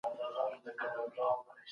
آیا پخواني وختونه له بدمرغیو ډک وو؟